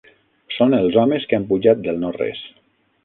Són els homes que han pujat del no res.